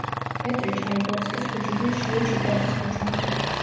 პეტრე ჩაიკოვსკის ქუჩიდან შიო ჩიტაძის ქუჩამდე.